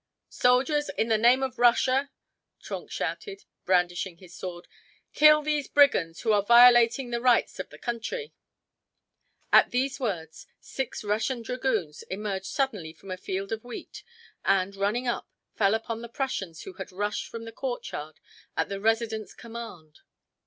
"Soldiers, in the name of Russia!" Trenck shouted, brandishing his sword, "kill these brigands who are violating the rights of the country." At these words, six Russian dragoons emerged suddenly from a field of wheat and, running up, fell upon the Prussians who had rushed from the courtyard at the resident's command.